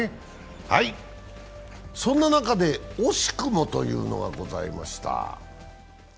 そんな中で惜しくもというのがございました。